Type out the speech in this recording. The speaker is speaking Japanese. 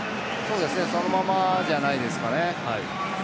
そのままじゃないですかね。